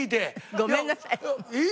ごめんなさい。